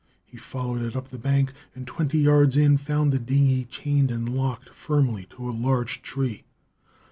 He followed it up the bank, and twenty yards in found the dinghy chained and locked firmly to a large tree.